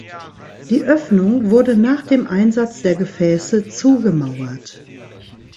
Die Öffnung wurde nach dem Einsatz der Gefäße zugemauert.